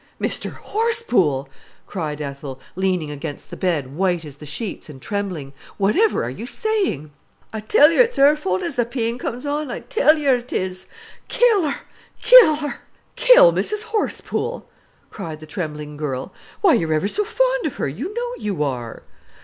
"Mr Horsepool!" cried Ethel, leaning against the bed, white as the sheets, and trembling. "Whatever are you saying?" "I tell yer it's 'er fault as th' peen comes on—I tell yer it is! Kill 'er—kill 'er!" "Kill Mrs Horsepool!" cried the trembling girl. "Why, you're ever so fond of her, you know you are."